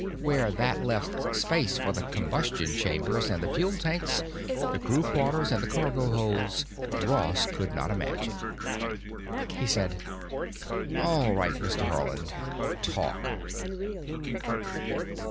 Where that left space for the combustion chambers and the fuel tanks, the crew quarters, and the cargo holds, Ross could not imagine. He said: "All right, Mr. Haarland. Talk."